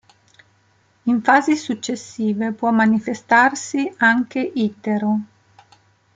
In fasi successive può manifestarsi anche ittero.